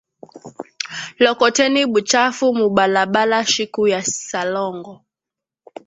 Lokoteni buchafu mu bala bala shiku ya salongo